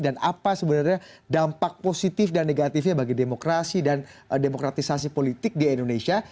dan apa sebenarnya dampak positif dan negatifnya bagi demokrasi dan demokratisasi politik di indonesia